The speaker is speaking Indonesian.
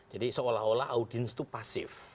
jadi seolah olah audiens itu pasif